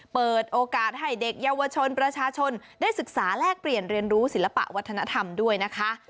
เปิดโอกาสให้เด็กเยาวชนประชาชนได้ศึกษาแลกเปลี่ยนเรียนรู้ศิลปะวัฒนธรรมด้วยนะคะ